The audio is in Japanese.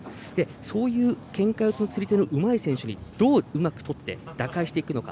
そういうけんか四つの釣り手のうまい選手にどううまくとって打開していくのか。